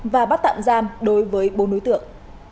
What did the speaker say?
và bắt tạm giam đối với bốn đối tượng